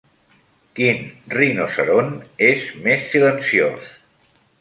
Quin rinoceront és més silenciós?